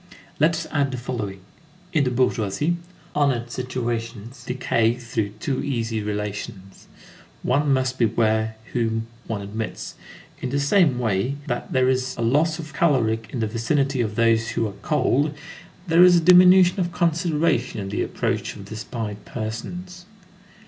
Let us add the following: in the bourgeoisie, honored situations decay through too easy relations; one must beware whom one admits; in the same way that there is a loss of caloric in the vicinity of those who are cold, there is a diminution of consideration in the approach of despised persons.